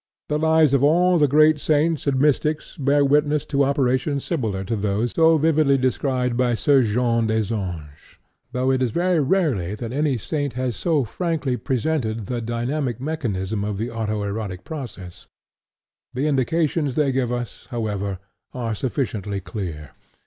The lives of all the great saints and mystics bear witness to operations similar to those so vividly described by Soeur Jeanne des Anges, though it is very rarely that any saint has so frankly presented the dynamic mechanism of the auto erotic process. The indications they give us, however, are sufficiently clear.